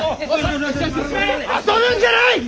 遊ぶんじゃない！